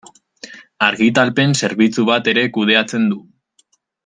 Argitalpen-zerbitzu bat ere kudeatzen du.